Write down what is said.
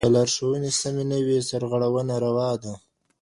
که لارښوونې سمې نه وي سرغړونه روا ده.